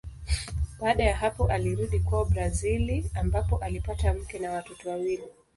Baada ya hapo alirudi kwao Brazili ambapo alipata mke na watoto wawili.